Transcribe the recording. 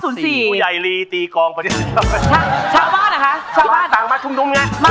ผู้ใหญ่ลีตีกองประชุม